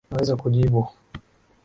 Naweza kujibu.